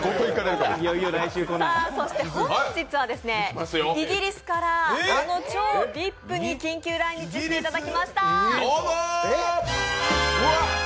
本日はイギリスからあの超ＶＩＰに緊急来日していただきました。